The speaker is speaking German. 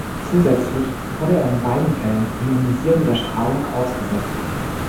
Zusätzlich wurde er in beiden Fällen ionisierender Strahlung ausgesetzt.